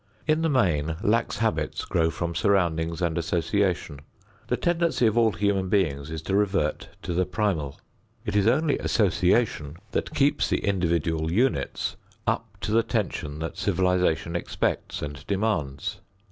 In the main, lax habits grow from surroundings and association. The tendency of all human beings is to revert to the primal. It is only association that keeps the individual units up to the tension that civilization expects and demands.